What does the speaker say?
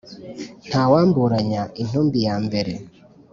ntawamburanya intumbi ya mbere